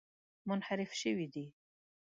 منحرف شوي دي.